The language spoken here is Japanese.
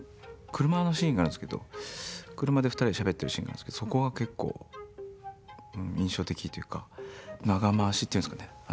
車のシーンがあるんですけど車で２人でしゃべってるシーンがあるんですけど長回しっていうんですかね。